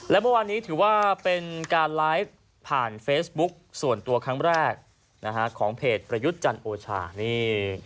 และเมื่อวานนี้ถือว่าเป็นการไลฟ์ผ่านเฟซบุ๊กส่วนตัวครั้งแรกนะฮะของเพจประยุทธ์จันทร์โอชานี่